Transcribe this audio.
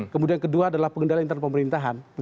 kemudian kedua adalah pengendalian intern pemerintahan